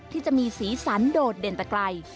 ที่จะมีสีสันโดดเด่นแต่ไกล